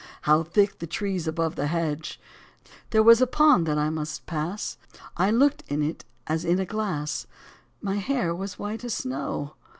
How thick the trees above the hedge ! There was a pond that I must pass ; I looked in it as in a glass ; My hair was white as snow.